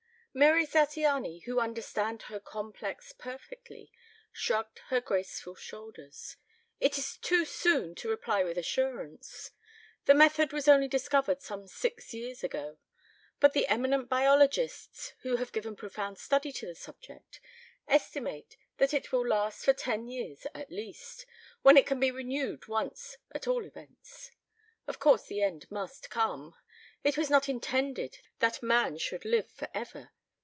Mary Zattiany, who understood her complex perfectly, shrugged her graceful shoulders. "It is too soon to reply with assurance. The method was only discovered some six years ago. But the eminent biologists who have given profound study to the subject estimate that it will last for ten years at least, when it can be renewed once at all events. Of course the end must come. It was not intended that man should live for ever.